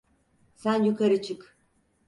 Sen yukarı çık.